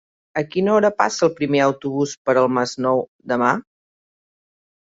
A quina hora passa el primer autobús per el Masnou demà?